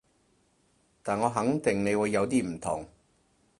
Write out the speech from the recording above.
但我肯定你會有啲唔同